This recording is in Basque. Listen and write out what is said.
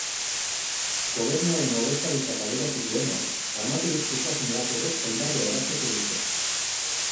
Gobernuaren Ordezkaritzak adierazi duenez, armaturik zihoazen lapurrek zaindaria erasotu dute.